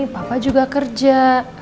papa juga kerja